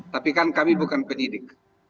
tapi kan kami bukan penyidik